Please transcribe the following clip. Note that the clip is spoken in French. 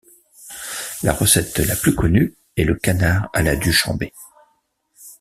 La recette la plus connue est le canard à la Duchambais.